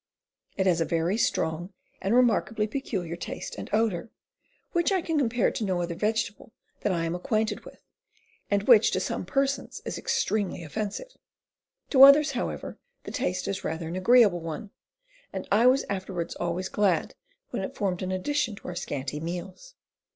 It has a very strong and remarkably peculiar taste and odor, which I can compare to no other vegetable that I am acquainted with, and which to some persons is extremely offensive. ... To others, how ever, the taste is rather an agreeable one, and I was afterwards always glad when it formed an addition to our scanty meals.